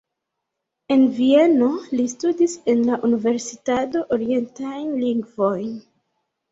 En Vieno li studis en la universitato orientajn lingvojn.